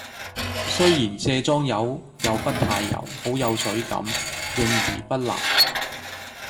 雖然卸妝油又不太油，好有水感，潤而不笠